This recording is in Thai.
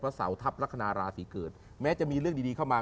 เสาทัพลักษณะราศีเกิดแม้จะมีเรื่องดีเข้ามา